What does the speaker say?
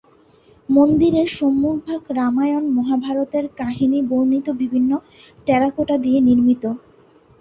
মন্দিরের সম্মুখভাগ রামায়ণ-মহাভারতের কাহিনী বর্ণিত বিভিন্ন টেরাকোটা দিয়ে নির্মিত।